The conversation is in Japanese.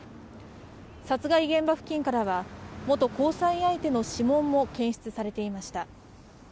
殺害現場付近からは元交際相手の指紋も検出されていました。